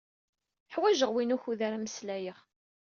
Ḥwajeɣ win wukud ara mmeslayeɣ.